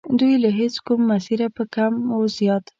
دوی له هیچ کوم مسیره په کم و زیات.